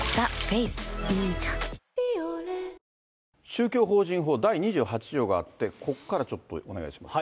宗教法人法第２８条があって、ここからちょっとお願いします。